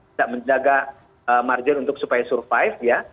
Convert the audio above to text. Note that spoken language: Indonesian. bisa menjaga margin untuk supaya survive ya